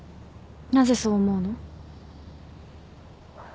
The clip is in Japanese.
なぜそう思うの？